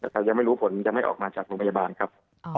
แต่ยังไม่รู้ผลยังไม่ออกมาจากโรงพยาบาลครับ